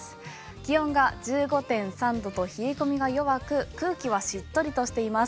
気温が１５．３度と冷え込みが弱く空気はしっとりとしています。